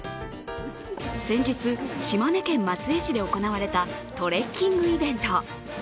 先日、島根県松江市で行われたトレッキングイベント。